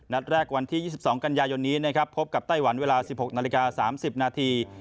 นัดแรกวันที่๒๒กันยายนพบกับไต้หวันเวลา๑๖นาฬิกา๓๐นาที